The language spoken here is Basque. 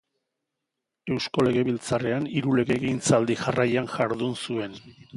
Eusko legebiltzarrean hiru legegintzaldi jarraian jardun zuen.